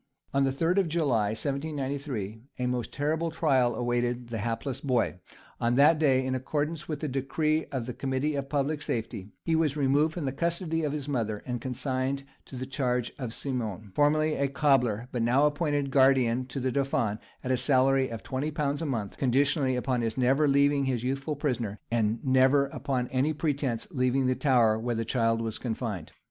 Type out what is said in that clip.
On the 3rd of July, 1793, a most terrible trial awaited the hapless boy: on that day, in accordance with a decree of the "Committee of Public Safety," he was removed from the custody of his mother, and consigned to the charge of Simon, formerly a cobbler, but now appointed guardian to the dauphin at a salary of twenty pounds a month, conditionally upon his never leaving his youthful prisoner, and never, upon any pretence, leaving the tower where the child was confined.